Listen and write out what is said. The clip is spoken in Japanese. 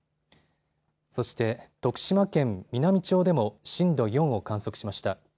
そして徳島県美波町でも震度４を観測しました。